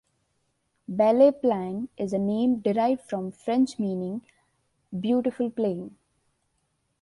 Belle Plaine is a name derived from French meaning "beautiful plain".